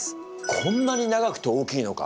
こんなに長くて大きいのか！